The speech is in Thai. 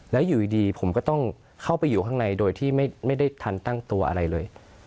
แล้วอยู่ดีผมก็ต้องเข้าไปอยู่ข้างในโดยที่ไม่ได้ทันตั้งตัวอะไรเลย